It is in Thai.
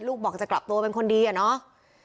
บอกจะกลับตัวเป็นคนดีอะเนาะ